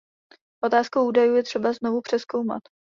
Otázku údajů je třeba znovu přezkoumat.